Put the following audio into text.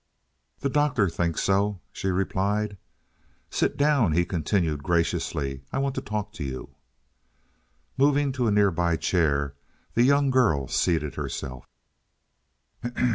"The doctor thinks so," she replied. "Sit down," he continued graciously. "I want to talk to you." Moving to a near by chair, the young girl seated herself.